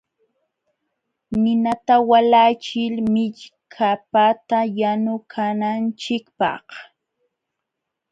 Ninata walachiy millkapata yanukunanchikpaq.